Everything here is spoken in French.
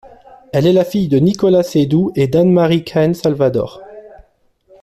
Elle est la fille de Nicolas Seydoux et d'Anne-Marie Cahen-Salvador.